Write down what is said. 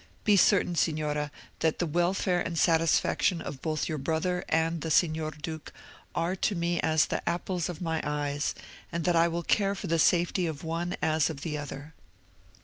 Be certain, Signora, that the welfare and satisfaction of both your brother and the Signor Duke are to me as the apples of my eyes, and that I will care for the safety of the one as of the other."